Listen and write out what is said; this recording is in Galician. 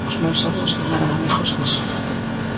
Os meus avós non eran amigos diso.